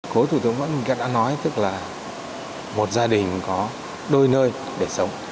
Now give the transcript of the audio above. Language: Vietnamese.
cố thủ tướng vẫn đã nói tức là một gia đình có đôi nơi để sống